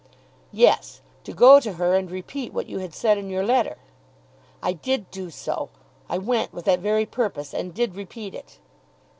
"Yes; to go to her and repeat what you had said in your letter." "I did do so. I went with that very purpose, and did repeat it."